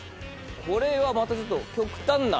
これはまたちょっと極端な。